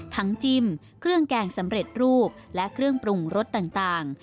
จิ้มเครื่องแกงสำเร็จรูปและเครื่องปรุงรสต่าง